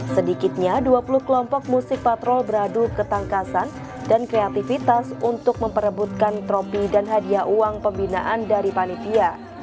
sedikitnya dua puluh kelompok musik patrol beradu ketangkasan dan kreativitas untuk memperebutkan tropi dan hadiah uang pembinaan dari panitia